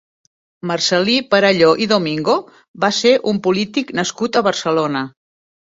Marcel·lí Perelló i Domingo va ser un polític nascut a Barcelona.